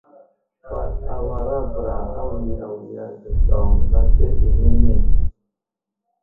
Fat awara bəra awiyawiga daw lefetenene.